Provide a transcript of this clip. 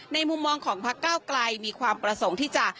มุมมองของพักเก้าไกลมีความประสงค์ที่จะ